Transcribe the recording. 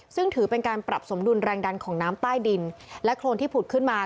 ซึ่งถือเป็นการปรับสมดุลแรงดันของน้ำใต้ดินและโครนที่ผุดขึ้นมา